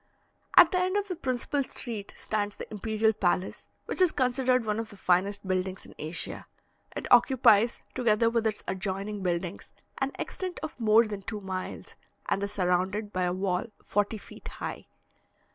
At the end of the principal street stands the imperial palace, which is considered one of the finest buildings in Asia. It occupies, together with its adjoining buildings, an extent of more than two miles, and is surrounded by a wall forty feet high.